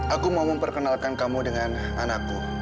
aku mau memperkenalkan kamu dengan anakku